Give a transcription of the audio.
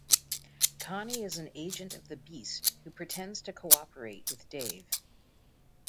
Connie is an agent of the Beast who pretends to cooperate with Dave.